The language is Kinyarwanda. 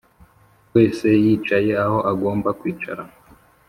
wese yicaye aho agomba kwicara,